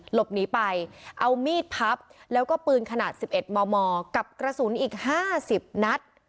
หลบหนีไปเอามีดพับแล้วก็ปืนขนาด๑๑มมกับกระสุนอีก๕๐นัด